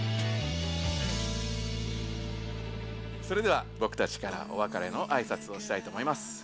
それではぼくたちからおわかれのあいさつをしたいと思います。